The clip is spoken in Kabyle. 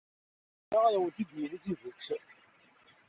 Imir-a ad awent-d-yini tidet.